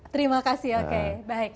terima kasih oke baik